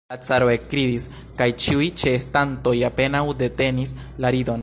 La caro ekridis, kaj ĉiuj ĉeestantoj apenaŭ detenis la ridon.